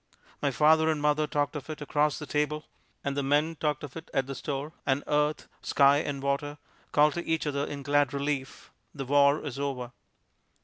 My father and mother talked of it across the table, and the men talked of it at the store, and earth, sky and water called to each other in glad relief, "The war is over!"